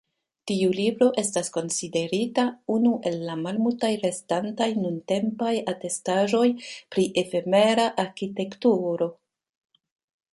Tiu libro estas konsiderita unu el la malmultaj restantaj nuntempaj atestaĵoj pri efemera arkitekturo.